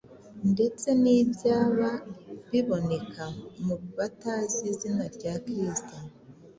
ndetse n’ibyaba biboneka mu batazi izina rya Kristo,